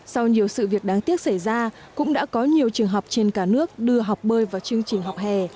sau nhiều sự việc đáng tiếc xảy ra cũng đã có nhiều trường học trên cả nước đưa học bơi vào chương trình học hè